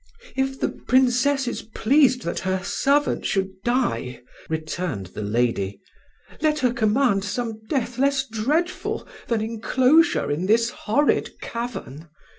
"If the Princess is pleased that her servant should die," returned the lady, "let her command some death less dreadful than enclosure in this horrid cavern.